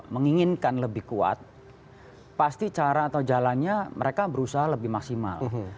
menginginkan lebih kuat pasti cara atau jalannya mereka berusaha lebih maksimal